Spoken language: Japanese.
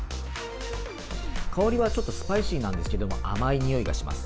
香りはちょっとスパイシーなんですけど、甘いにおいがします。